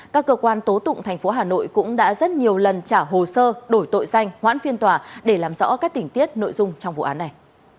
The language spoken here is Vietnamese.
các cơ quan tố tụng tp hà nội cũng đã rất nhiều lần trả hồ sơ đổi tội danh hoãn phiên tòa để làm rõ các tình tiết nội dung trong vụ án này